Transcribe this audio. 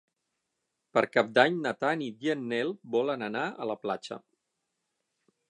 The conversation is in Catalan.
Per Cap d'Any na Tanit i en Nel volen anar a la platja.